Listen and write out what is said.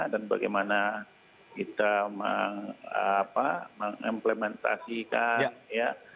dan bagaimana kita mengimplementasikan ya